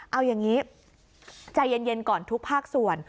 เอาอย่างนี้ใจเย็นก่อนทุกภาคส่วน